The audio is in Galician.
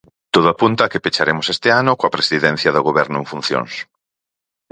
Todo apunta a que pecharemos este ano coa Presidencia do Goberno en funcións.